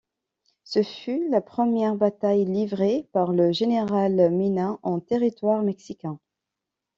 Ce fut la première bataille livrée par le général Mina en territoire mexicain.